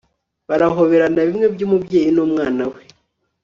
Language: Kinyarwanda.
barahoberana bimwe byumubyeyi numwana we